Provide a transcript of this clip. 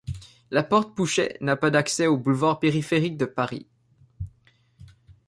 La porte Pouchet n'a pas d'accès au boulevard périphérique de Paris.